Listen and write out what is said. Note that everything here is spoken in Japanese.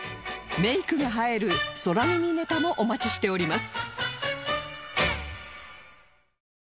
メイクが映える空耳ネタもお待ちしております